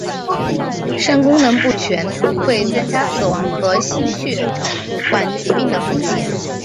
肾功能不全会增加死亡和心血管疾病的风险。